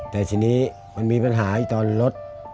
แต่ทีนี้มันมีปัญหาตอนรถ